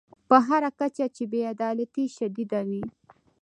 په هر کچه چې بې عدالتي شدیده وي.